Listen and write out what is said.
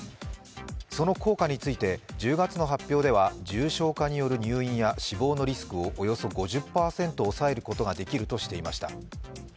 その効果について１０月の発表では重症化による入院や死亡のリスクをおよそ５０％抑えることができるとしていました。